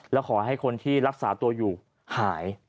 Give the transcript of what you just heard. แล้วขอให้คนที่รักษาตัวอยู่หาย